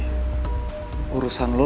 eba oba bergaul nih